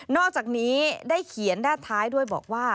อกจากนี้ได้เขียนด้านท้ายด้วยบอกว่า